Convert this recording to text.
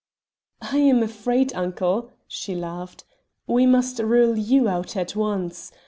"I am afraid, uncle," she laughed, "we must rule you out at once.